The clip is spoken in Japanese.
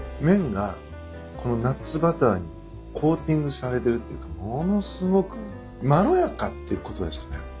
麺がこのナッツバターにコーティングされてるっていうかものすごくまろやかっていうことですかね？